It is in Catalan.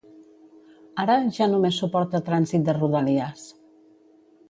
Ara, ja només suporta trànsit de rodalies.